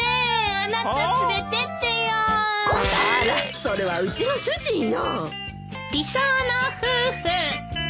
あらそれはうちの主人よ。